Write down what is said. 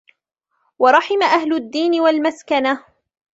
وَرَحِمَ أَهْلَ الدَّيْنِ وَالْمَسْكَنَةِ